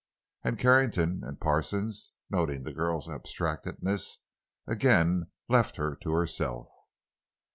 And Carrington and Parsons, noting the girl's abstractedness, again left her to herself.